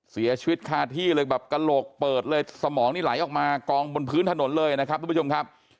เสียชีวิตคาที่เลยแบบกระโหลกเปิดเลยสมองหลายออกมากรองบนพื้นถนนเลยนะครับ